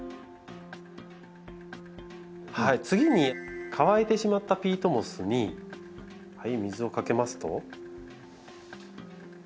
次に乾いてしまったピートモスに水をかけますと。